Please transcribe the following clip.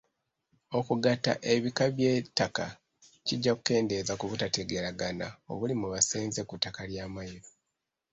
Okugatta ebika by'ettaka kijja kukendeeza ku butategeeragana obuli mu basenze ku ttaka lya Mmayiro.